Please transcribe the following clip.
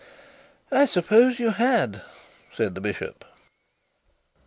'I suppose you had,' said the bishop.